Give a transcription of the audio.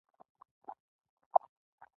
د اوبسیدیان په نامه له تور رنګه ډبرو سره ښخ کړي.